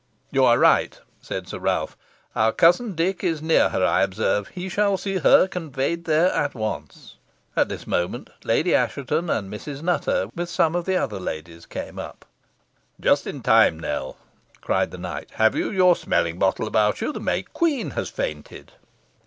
"You are right," said Sir Ralph. "Our cousin Dick is near her, I observe. He shall see her conveyed there at once." At this moment Lady Assheton and Mrs. Nutter, with some of the other ladies, came up. "Just in time, Nell," cried the knight. "Have you your smelling bottle about you? The May Queen has fainted."